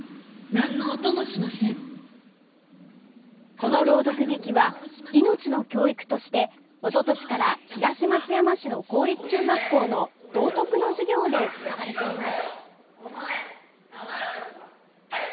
この朗読劇は命の教育として、おととしから東松山市の公立中学校の道徳の授業で使われています。